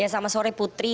ya sama sore putri